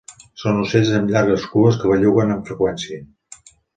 Són ocells amb llargues cues que belluguen amb freqüència.